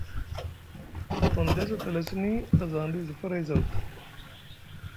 Gondes a tala sini aza aŋ ɗif zi faray zaw ta.